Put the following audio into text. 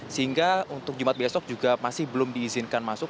sehingga untuk jumat besok juga masih belum diizinkan masuk